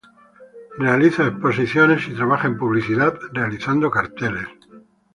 Realiza exposiciones, y trabaja en publicidad realizando carteles.